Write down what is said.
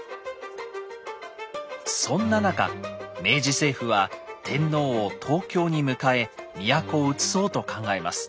そんな中明治政府は天皇を東京に迎え都をうつそうと考えます。